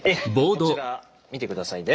こちら見て下さいね。